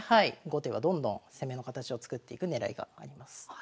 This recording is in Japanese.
後手はどんどん攻めの形を作っていく狙いがあります。